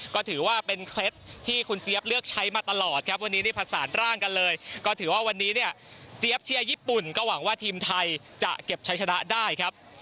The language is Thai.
ก็ถือว่าเป็นเคล็ดที่คุณเจี๊ยบเลือกใช้มาตลอดครับวันนี้นี่ผสานร่างกันเลยก็ถือว่าวันนี้เนี่ยเจี๊ยบเชียร์ญี่ปุ่นก็หวังว่าทีมไทยจะเก็บใช้ชนะได้ครับ